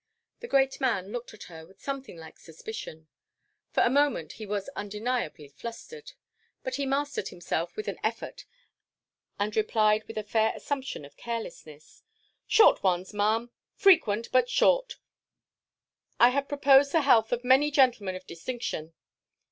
The great man looked at her with something like suspicion. For a moment he was undeniably flustered. But he mastered himself with an effort and replied with a fair assumption of carelessness, "Short ones, Ma'am. Frequent, but short. I have proposed the health of many gentlemen of distinction."